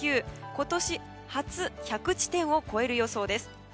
今年初１００地点を超える予想です。